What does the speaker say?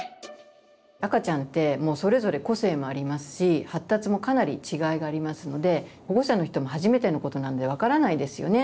赤ちゃんってもうそれぞれ個性もありますし発達もかなり違いがありますので保護者の人も初めてのことなんで分からないですよね。